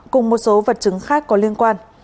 cùng một số vật chứng khác có liên quan